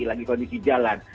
lagi kondisi jalan